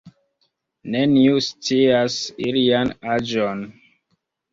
Neniu scias ilian aĝon.